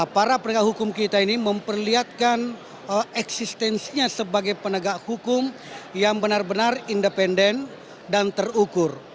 para penegak hukum kita ini memperlihatkan eksistensinya sebagai penegak hukum yang benar benar independen dan terukur